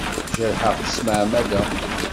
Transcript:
Jerḥeɣ-tt s tmeɛmada.